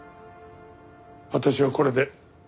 私はこれで。